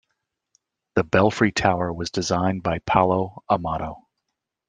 The belfry tower was designed by Paolo Amato.